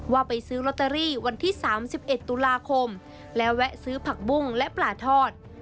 ว่าไปซื้อลอตเตอรี่วันที่๓๑ตุลาคมและแวะซื้อผักบุ้งและปลาทอด